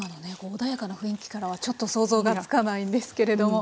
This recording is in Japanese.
穏やかな雰囲気からはちょっと想像がつかないんですけれども。